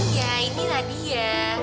iya inilah dia